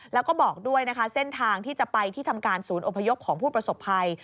แล้วก็บอกด้วยนะคะเส้นทางที่จะไปที่ทำการศูนย์อพยพของผู้ประสบภัย